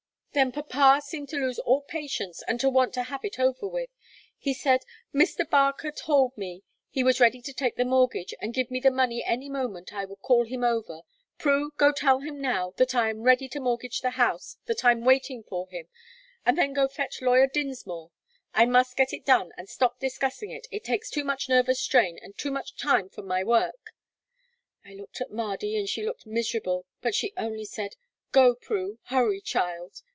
Then papa seemed to lose all patience, and to want to have it over with. He said: 'Mr. Barker told me he was ready to take the mortgage and give me the money any moment I would call him over. Prue, go tell him now that I am ready to mortgage the house that I'm waiting for him. And then go fetch lawyer Dinsmore. I must get it done, and stop discussing it; it takes too much nervous strain, and too much time from my work.' I looked at Mardy, and she looked miserable, but she only said: 'Go, Prue; hurry, child.'